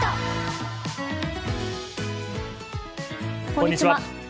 こんにちは。